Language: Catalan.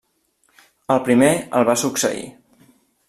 El primer el va succeir.